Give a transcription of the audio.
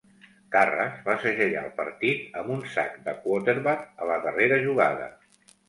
Karras va segellar el partit amb un sac de quarterback a la darrera jugada.